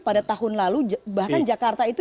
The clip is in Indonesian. pada tahun lalu bahkan jakarta itu